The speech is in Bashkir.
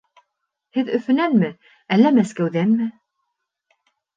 Һеҙ Өфөнәнме әллә Мәскәүҙәнме?